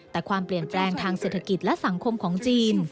แต่ความเปลี่ยนแปลงทางเศรษฐกิจและสังคมของจีน